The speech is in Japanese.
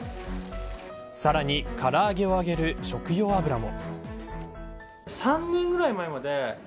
さらにからあげを揚げる食用油も。